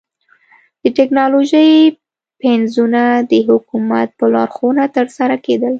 د ټکنالوژۍ پنځونه د حکومت په لارښوونه ترسره کېدل.